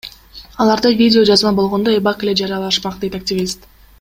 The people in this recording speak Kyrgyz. Аларда видео жазма болгондо, эбак эле жарыялашмак, — дейт активист.